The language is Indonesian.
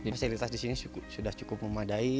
fasilitas di sini sudah cukup memadai